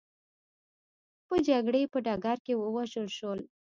په جګړې په ډګر کې ووژل شول.